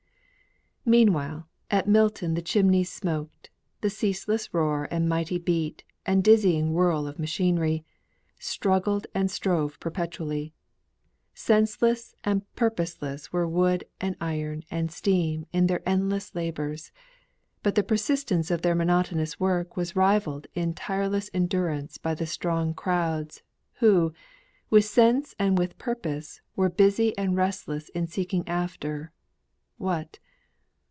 Meanwhile at Milton the chimneys smoked, the ceaseless roar and mighty beat and dazzling whirr of machinery struggled and strove perpetually. Senseless and purposeless were wood and iron and steam in their endless labours; but the persistence of their monotonous work was rivalled in tireless endurance by the strong crowds, who, with sense and with purpose, were busy and restless in seeking after What?